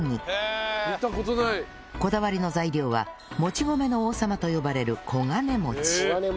こだわりの材料はもち米の王様と呼ばれるこがねもち